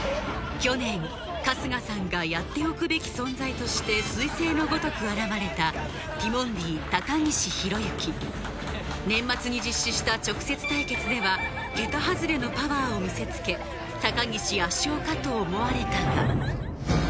去年春日さんがやっておくべき存在としてすい星のごとく現れたティモンディ高岸宏行年末に実施した直接対決では桁外れのパワーを見せつけあっ！